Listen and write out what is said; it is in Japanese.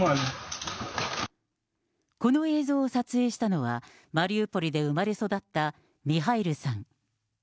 この映像を撮影したのは、マリウポリで生まれ育ったミハイルさん。